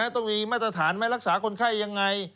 ต้องมีมาตรฐานไหมรักษาคนไข้ยังไง